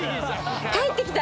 帰ってきた。